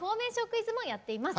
クイズもやっています。